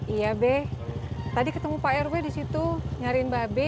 iya be tadi ketemu pak rw di situ nyariin mbak be